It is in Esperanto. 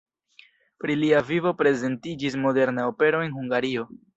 Pri lia vivo prezentiĝis moderna opero en Hungario.